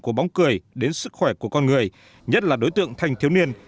của bóng cười đến sức khỏe của con người nhất là đối tượng thanh thiếu niên